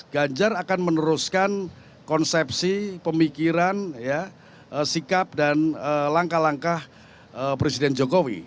ganjar akan meneruskan konsepsi pemikiran sikap dan langkah langkah presiden jokowi